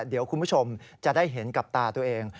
เดี๋ยวคุณผู้ชมจะได้เห็นกับตาตัวเอง